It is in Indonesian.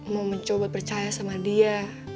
mau mencoba percaya sama dia